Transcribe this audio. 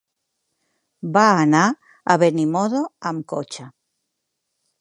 Va anar a Benimodo amb cotxe.